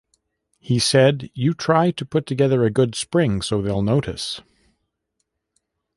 He said: You try to put together a good spring so they'll notice.